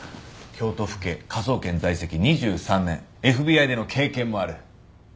京都府警科捜研在籍２３年ＦＢＩでの経験もある。